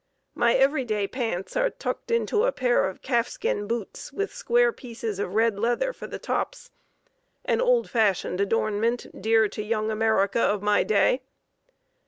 "My 'every day pants' are tucked into a pair of calf skin boots with square pieces of red leather for the tops, an old fashioned adornment dear to Young America of my day.